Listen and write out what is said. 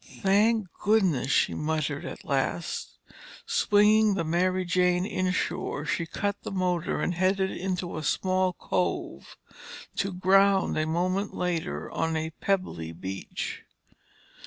"Thank goodness!" she muttered at last. Swinging the Mary Jane inshore, she cut her motor and headed into a small cove, to ground a moment later on a pebbly beach.